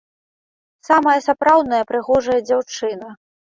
Самая сапраўдная прыгожая дзяўчына!